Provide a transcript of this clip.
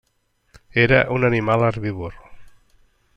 Era un animal herbívor.